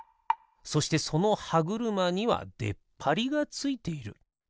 そしてそのはぐるまにはでっぱりがついている。